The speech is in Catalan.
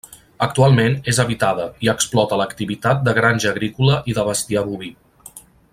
Actualment és habitada, i explota l'activitat de granja agrícola i de bestiar boví.